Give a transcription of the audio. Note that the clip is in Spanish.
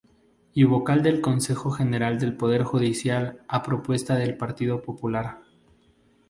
Y vocal del Consejo General del Poder Judicial a propuesta del Partido Popular.